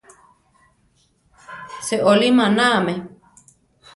Seolí manáame.